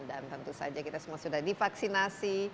dan tentu saja kita semua sudah divaksinasi